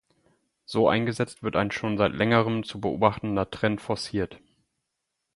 So eingesetzt wird ein schon seit längerem zu beobachtender Trend forciert.